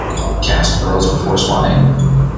Cast pearls before swine.